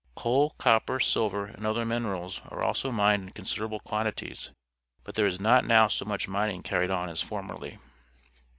Coal, copper, silver, and other minerals are also mined in considerable quantities, but there is not now so much mining carried on as formerly.